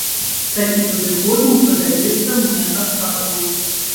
Такі падыход не падаецца мне адказным.